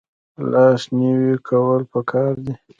لاس نیوی کول پکار دي